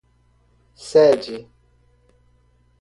sede